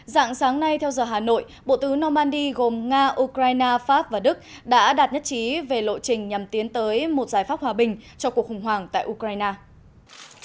dạng sáng nay theo giờ hà nội bộ tứ normandy gồm nga ukraine pháp và đức đã đạt nhất trí về lộ trình nhằm tiến tới một giải pháp hòa bình cho cuộc khủng hoảng tại ukraine